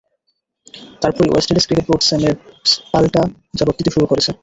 তারপরই West Indies cricket board স্যামির পাল্টা জবাব দিতে শুরু করেছে।